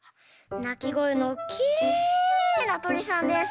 なきごえのきれいなとりさんです。